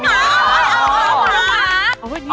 หมอนน้องหมา